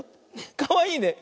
かわいいね。